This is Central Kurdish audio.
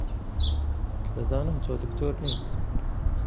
دەزانم تۆ دکتۆر نیت.